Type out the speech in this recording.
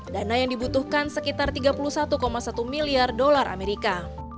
dana yang dibutuhkan sekitar tiga puluh satu satu miliar dolar amerika